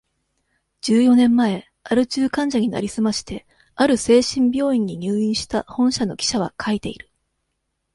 十四年前、アル中患者になりすまして、ある精神病院に入院した、本社の記者は書いている。